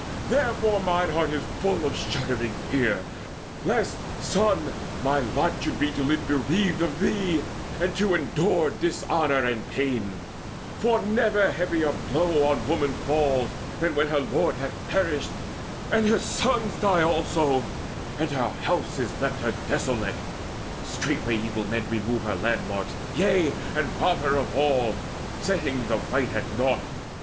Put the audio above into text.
Therefore mine heart is full of shuddering fear Lest, son, my lot should be to live bereaved Of thee, and to endure dishonour and pain, For never heavier blow on woman falls Than when her lord hath perished, and her sons Die also, and her house is left to her Desolate. Straightway evil men remove Her landmarks, yea, and rob her of her all, Setting the right at naught.